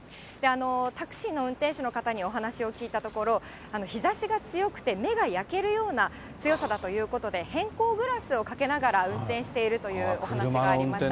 タクシーの運転手の方にお話を聞いたところ、日ざしが強くて目が焼けるような強さだということで、偏光グラスをかけながら運転しているというお話がありました。